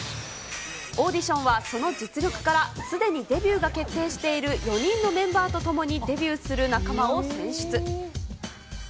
オーディションはその実力からすでにデビューが決定している４人のメンバーと共に、デビューする仲間を選出。